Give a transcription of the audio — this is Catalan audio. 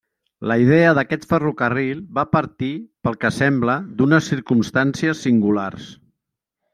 La idea d'aquest ferrocarril va partir, pel que sembla, d'unes circumstàncies singulars.